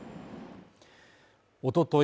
おととい